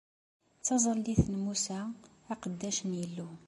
Taẓallit n Musa, aqeddac n Yillu.